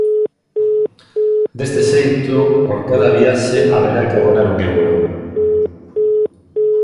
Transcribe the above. Deste xeito, por cada viaxe, haberá que abonar un euro.